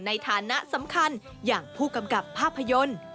ในฐานะสำคัญอย่างผู้กำกับภาพยนตร์